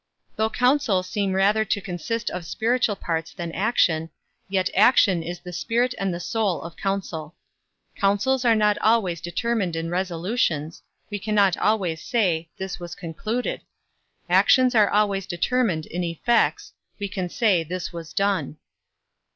Though counsel seem rather to consist of spiritual parts than action, yet action is the spirit and the soul of counsel. Counsels are not always determined in resolutions, we cannot always say, this was concluded; actions are always determined in effects, we can say, this was done.